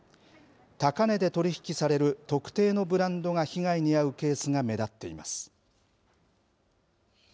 高値で取り引きされる特定のブランドが被害に遭うケースが目立っています。